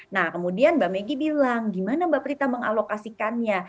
nah kemudian mbak meggy bilang gimana mbak prita mengalokasikannya